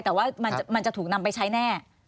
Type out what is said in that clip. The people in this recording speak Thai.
แต่ว่ามันจะถูกนำไปใช้แน่